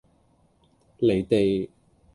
離地